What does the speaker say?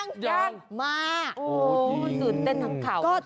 สนุนเต็มทั้งข่าว